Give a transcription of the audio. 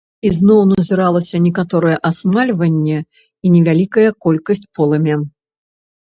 Ізноў назіралася некаторае асмальванне і невялікая колькасць полымя.